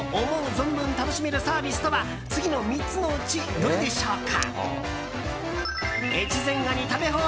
存分楽しめるサービスとは次の３つのうちどれでしょうか？